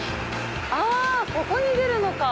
あここに出るのか。